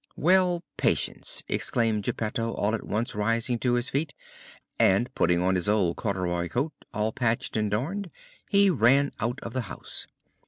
"Well, patience!" exclaimed Geppetto, all at once rising to his feet, and putting on his old corduroy coat, all patched and darned, he ran out of the house.